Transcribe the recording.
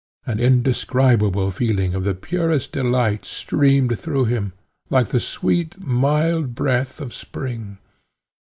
An indescribable feeling of the purest delight streamed through him, like the sweet mild breath of spring.